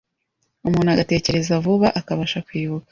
umuntu agatekereza vuba akabasha kwibuka,